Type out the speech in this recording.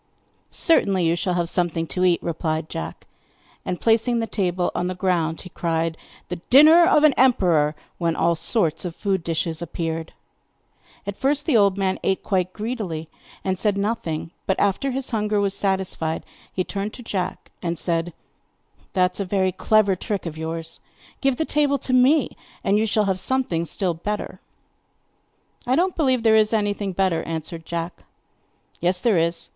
'Certainly, you shall have something to eat,' replied Jack. And, placing the table on the ground he cried: 'The dinner of an emperor!' when all sorts of food dishes appeared. At first the old man ate quite greedily, and said nothing; but, after his hunger was satisfied, he turned to Jack and said: 'That is a very clever trick of yours. Give the table to me and you shall have something still better.' 'I don't believe that there is anything better,' answered Jack. 'Yes, there is.